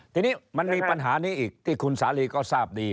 ทีนี้มันมีปัญหานี้อีกที่คุณสาลีก็ทราบดี